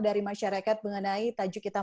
dari masyarakat mengenai tajuk kita